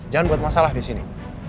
jangan buat masalah di sini